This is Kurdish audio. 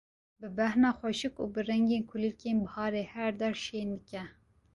bi bêhna xweşik û bi rengên kulîlkên biharê her der şên dike.